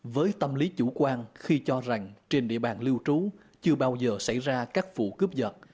với tâm lý chủ quan khi cho rằng trên địa bàn lưu trú chưa bao giờ xảy ra các vụ cướp giật